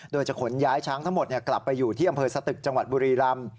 โดยจะขนย้ายช้างทั้งหมดกลับไปอยู่ที่อำเภอสตึกจังหวัดบุรีรำ